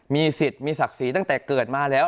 มีสิทธิ์มีศักดิ์ศรีตั้งแต่เกิดมาแล้ว